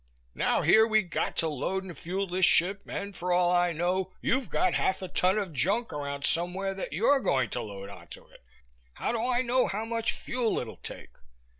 Now here we got to load and fuel this ship and, for all I know, you've got half a ton of junk around somewhere that you're going to load onto it. How do I know how much fuel it'll take?